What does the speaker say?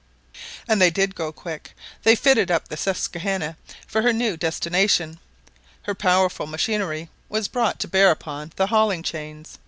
And they did go quick. They fitted up the Susquehanna for her new destination. Her powerful machinery was brought to bear upon the hauling chains.